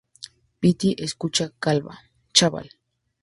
piti, escucha, chaval.